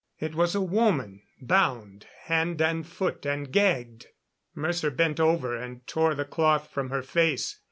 It was a woman, bound hand and foot and gagged. Mercer bent over and tore the cloth from her face.